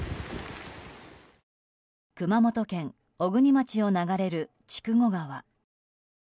熊本県小国町を流れる筑後川。